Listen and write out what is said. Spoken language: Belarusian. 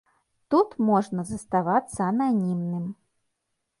Тут можна заставацца ананімным.